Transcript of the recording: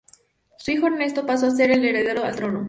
Su hijo Ernesto pasó a ser el heredero al trono.